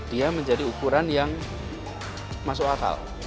dia menjadi ukuran yang masuk akal